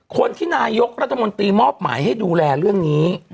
คนที่นายกรัฐมนตรีมอบหมายให้ดูแลเรื่องนี้